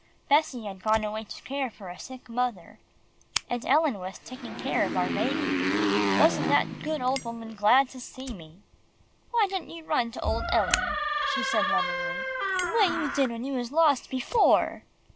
Bessie had gone away to care for a sick mother, and Ellen was taking care of our baby. Wasn't that good old woman glad to see me! "Why didn't you run to old Ellen," she said lovingly, "the way you did when you was lost before?"